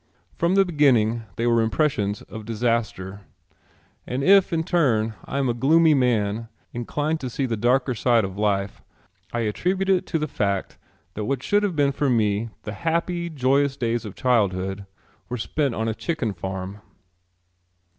From the beginning they were impressions of disaster and if, in my turn, I am a gloomy man inclined to see the darker side of life, I attribute it to the fact that what should have been for me the happy joyous days of childhood were spent on a chicken farm.